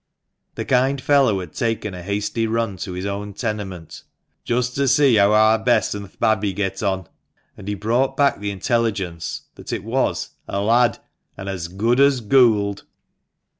The kind fellow had taken a hasty run to his own tenement, "just to see heaw ar Bess an' th' babby get on ;" and he brought back the intelligence that it was " a lad, an' as good as goold."